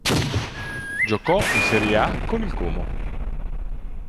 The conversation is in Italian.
Giocò in Serie A con il Como.